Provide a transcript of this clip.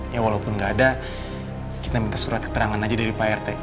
ya walaupun nggak ada kita minta surat keterangan aja dari pak rt